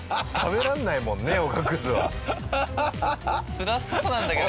つらそうなんだけど。